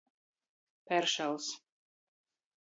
Peršals.